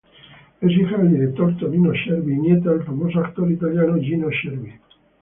Es hija del director Tonino Cervi y nieta del famoso actor italiano Gino Cervi.